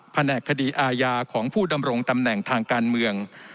แหนกคดีอาญาของผู้ดำรงตำแหน่งทางการเมือง